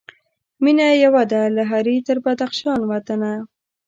مېنه یوه ده له هري تر بدخشان وطنه